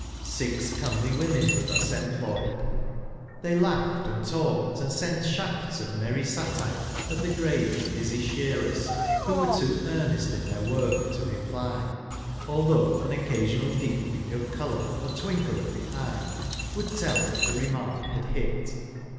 Six comely women were thus employed; they laughed, and talked, and sent shafts of meny satire at the grave and busy shearers, who were too earnest in their work to reply, although an occasional deepening of colour, or twinkle of the eye, 'would tell that the remark had hit.